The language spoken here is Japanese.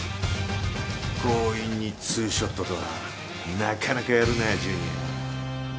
強引にツーショットとはなかなかやるなぁ。